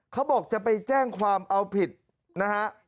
เขาบอกจะไปแจ้งความเอาผิดนะฮะ